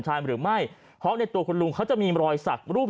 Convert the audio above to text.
หรือไม่เพราะในตัวคุณลุงเขาจะมีรอยสักรูป